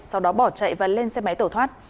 sau đó bỏ chạy và lên xe máy tổ thoát